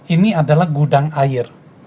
ini adalah gudang air